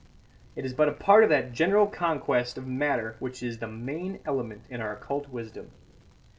It is but a part of that general conquest of matter which is the main element in our occult wisdom.